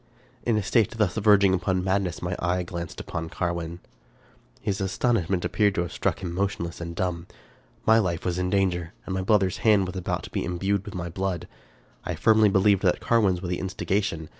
In a state thus verging upon madness, my eye glanced upon Carwin. His astonishment appeared to have struck him motionless and dumb. My life was in danger, and my brother's hapd was about to be imbrued in my blood. I firmly believed that Carwin's was the instigation.